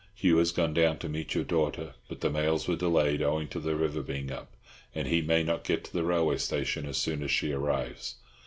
Hugh has gone down to meet your daughter, but the mails were delayed owing to the river being up, and he may not get to the railway station as soon as she arrives.